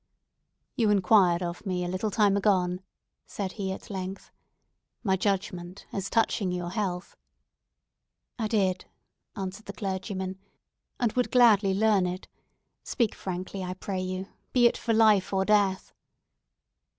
"You inquired of me, a little time agone," said he, at length, "my judgment as touching your health." "I did," answered the clergyman, "and would gladly learn it. Speak frankly, I pray you, be it for life or death."